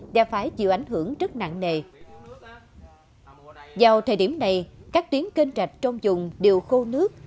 đã phải chịu ảnh hưởng rất nặng nề vào thời điểm này các tuyến kênh trạch trong dùng đều khô nước